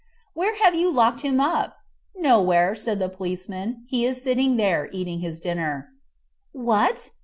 "Where have you locked him up?" "Nowhere," said the policeman; "he is sitting there, eating his dinner." "What!"